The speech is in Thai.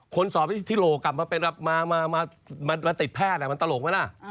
สอบที่โหลกกลับมาติดแพทย์มันตลกไหมล่ะ